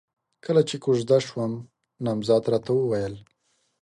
کله چې کوژده شوم، نامزد راته وويل: